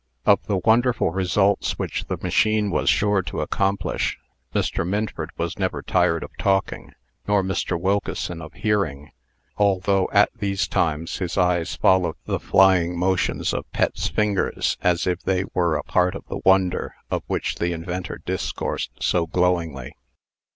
Of the wonderful results which the machine was sure to accomplish, Mr. Minford was never tired of talking, nor Mr. Wilkeson of hearing, although, at these times, his eyes followed the flying motions of Pet's fingers, as if they were a part of the wonder of which the inventor discoursed so glowingly.